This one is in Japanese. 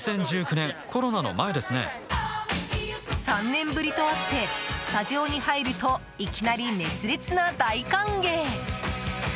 ３年ぶりとあってスタジオに入るといきなり熱烈な大歓迎。